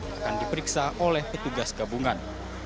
akan diperiksa oleh petugas gabungan